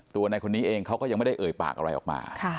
ในคนนี้เองเขาก็ยังไม่ได้เอ่ยปากอะไรออกมา